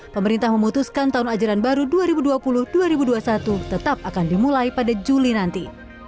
pemerintah memutuskan tahun ajaran baru dua ribu dua puluh dua ribu dua puluh satu tetap akan dimulai pada juli nanti